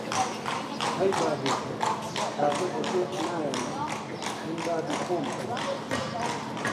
ئەی بابی خۆم! تازە بەجێت نایەڵم! من بابی خۆم هەیە!